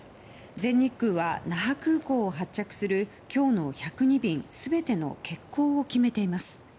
全日空は那覇空港を発着する今日の１０２便全ての欠航を決めています。